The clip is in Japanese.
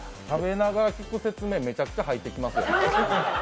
食べながら聞く説明、めちゃくちゃ入ってきますよ。